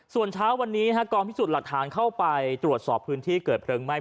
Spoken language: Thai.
ส่วนเช้าวันนี้กองพิสูจน์หลักฐานเข้าไปตรวจสอบพื้นที่เกิดเพลิงไหม้